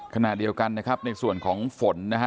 ขณะเดียวกันนะครับในส่วนของฝนนะฮะ